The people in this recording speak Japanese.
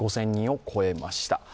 ５０００人を超えました。